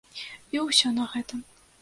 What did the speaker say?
І ўсё на гэтым.